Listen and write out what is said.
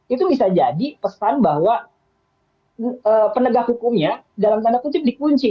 itu bisa jadi pesan bahwa penegak hukumnya dalam tanda kutip dikunci